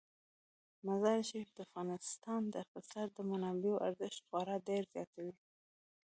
مزارشریف د افغانستان د اقتصادي منابعو ارزښت خورا ډیر زیاتوي.